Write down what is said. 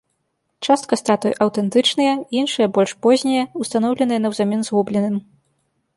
Частка статуй аўтэнтычныя, іншыя больш познія, устаноўленыя наўзамен згубленым.